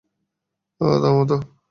ওহ, থামো তো।